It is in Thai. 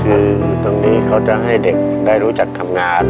คือตรงนี้เขาจะให้เด็กได้รู้จักทำงาน